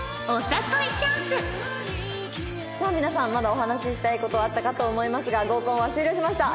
さあ皆さんまだお話ししたい事あったかと思いますが合コンは終了しました。